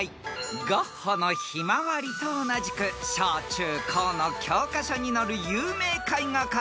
［ゴッホの『ひまわり』と同じく小中高の教科書に載る有名絵画から問題］